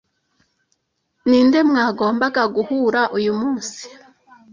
Ninde mwagombaga guhura uyu munsi